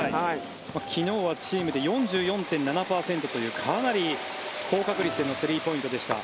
昨日はチームで４４．７％というかなり高確率でのスリーポイントでした。